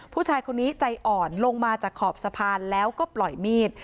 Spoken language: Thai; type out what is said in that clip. ผู้ชายคนนี้ใจอ่อนลงมาจากขอบสะพานแล้วก็ปล่อยมีด